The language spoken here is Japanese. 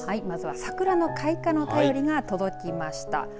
まずはサクラの開花の便りが届きました。